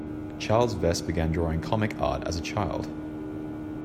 Charlies Vess began drawing comic art as a child.